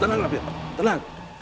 tenang lampir tenang